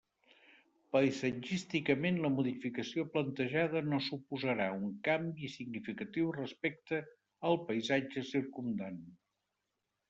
Paisatgísticament la modificació plantejada no suposarà un canvi significatiu respecte al paisatge circumdant.